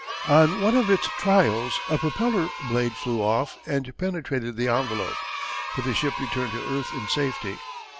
On one of its trials a propeller blade flew off and penetrated the envelope, but the ship returned to earth in safety.